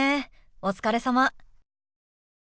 お疲れさま。